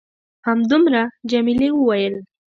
همدومره؟ جميلې وويل:.